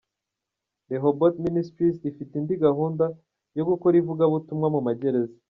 Rehoboth Ministries ifite indi gahunda yo gukora ivugabutumwa mu ma gereza.